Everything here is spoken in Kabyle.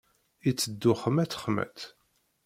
Iteddu xmat, xmat.